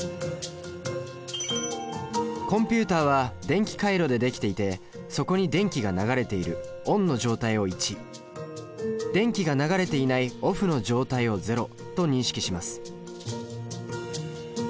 コンピュータは電気回路で出来ていてそこに電気が流れているオンの状態を１電気が流れていないオフの状態を０と認識します